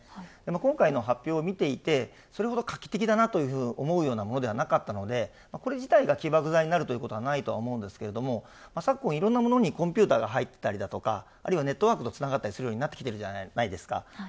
今回の発表を見ていてそれほど画期的だなと思うようなものではなかったのでこれ自体が起爆剤になることはないと思うんですが昨今、いろんなものにコンピューターが入っていたりとかあるいはネットワークとつながったりするようになってきたりするじゃないですか。